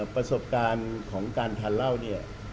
ประสบการณ์ของการทานเหล้าเนี่ย